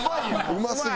うますぎ。